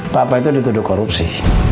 papa itu dituduh korupsi